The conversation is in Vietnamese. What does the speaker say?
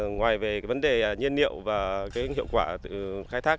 ngoài về vấn đề nhiên liệu và hiệu quả từ khai thác